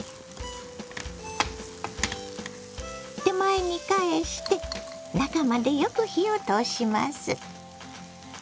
手前に返して中までよく火を通します。